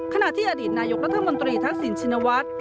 ขณะที่อดีตนายกรัฐมนตรีทักษิณชินวัฒน์